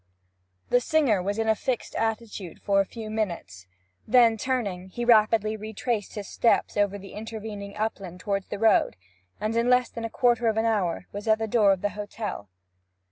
The singer waited in a fixed attitude for a few minutes, then turning, he rapidly retraced his steps over the intervening upland toward the road, and in less than a quarter of an hour was at the door of the hotel.